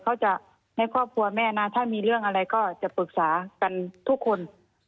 เขาจะให้ครอบครัวแม่นะถ้ามีเรื่องอะไรก็จะปรึกษากันทุกคน